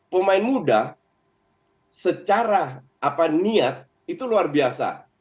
pemain muda secara niat itu luar biasa